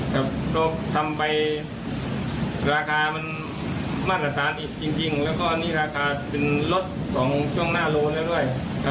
ครับก็ทำไปราคามันมาตรฐานอีกจริงแล้วก็นี่ราคาเป็นลดของช่วงหน้าโลนแล้วด้วย